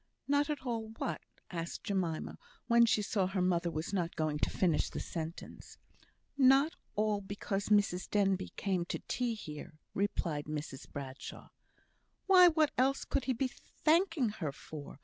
"Not all what?" asked Jemima, when she saw her mother was not going to finish the sentence. "Not all because Mrs Denbigh came to tea here," replied Mrs Bradshaw. "Why, what else could he be thanking her for?